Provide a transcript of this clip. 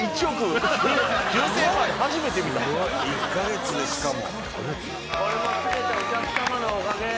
１カ月でしかも。